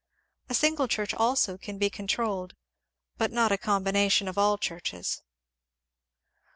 A single Church also can be controlled, but not a combination of all Churches.